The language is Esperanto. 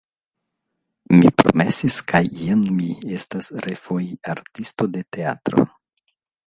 Mi promesis kaj jen mi estas refoje artisto de teatro.